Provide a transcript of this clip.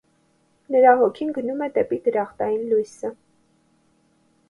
Նրա հոգին գնում է դեպի դրախտային լույսը։